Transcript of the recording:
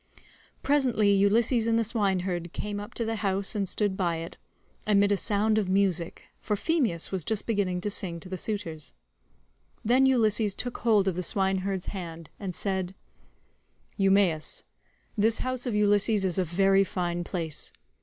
Presently Ulysses and the swineherd came up to the house and stood by it, amid a sound of music, for Phemius was just beginning to sing to the suitors. Then Ulysses took hold of the swineherd's hand, and said: "Eumaeus, this house of Ulysses is a very fine place.